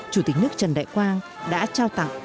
chủ tịch nước trần đại quang đã trao tặng